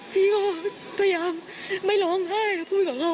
พี่ก็พยายามไม่ร้องไห้พูดกับเขา